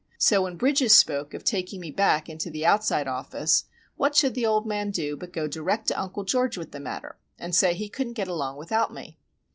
So when Bridges spoke of taking me back into the outside office, what should the old man do but go direct to Uncle George with the matter, and say he couldn't get along without me.